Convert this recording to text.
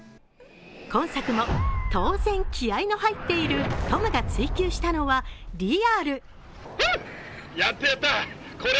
今作も当然、気合いの入っているトムが追求したのはリアル。